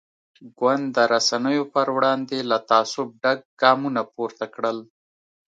ګوند د رسنیو پر وړاندې له تعصب ډک ګامونه پورته کړل.